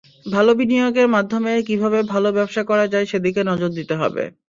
ভালো বিনিয়োগের মাধ্যমে কীভাবে ভালো ব্যবসা করা যায়, সেদিকে নজর দিতে হবে।